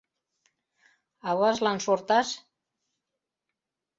Аважлан шорташ?